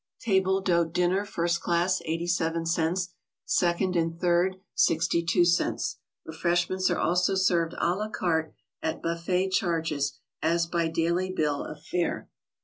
Table d'hote dinner, first class, 87 cts.; second and third, 62 cts. Refreshments are also served a la carte at buffet charges as by daily bill of fare.